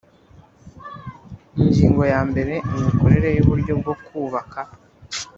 Ingingo yambere Imikorere y uburyo bwo kubaka